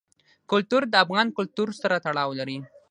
کلتور د افغان کلتور سره تړاو لري.